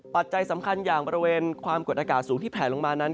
ปัจจัยสำคัญอย่างบริเวณความกดอากาศสูงที่แผลลงมานั้น